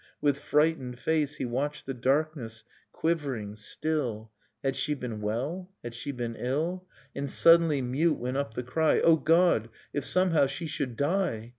— ^With frightened face He watched the darkness, — quivering, still; Had she been well? Had she been ill? And suddenly, mute, went up the cry — O God if somehow she should die